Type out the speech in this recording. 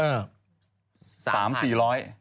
เออ